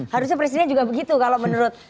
harusnya presiden juga begitu kalau menurut